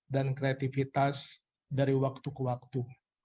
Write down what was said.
dan kreativitas dari waktu ke waktu